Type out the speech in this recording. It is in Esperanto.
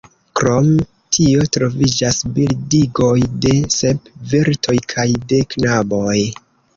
Krom tio troviĝas bildigoj de sep virtoj kaj de knaboj.